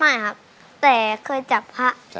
ครับแต่เคยจับผ้า